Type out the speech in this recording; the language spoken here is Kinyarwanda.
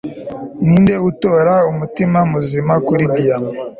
ninde utora umutima muzima kuri diyama